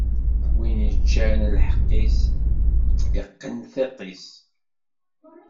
Win iččan lḥeqq-is, iqqen tiṭ-is!